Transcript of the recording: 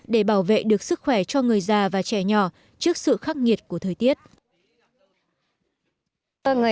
để đảm bảo các cháu là đủ ấm về mùa đông